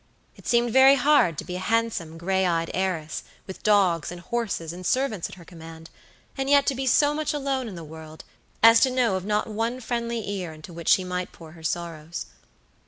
It seemed very hard to be a handsome, gray eyed heiress, with dogs and horses and servants at her command, and yet to be so much alone in the world as to know of not one friendly ear into which she might pour her sorrows.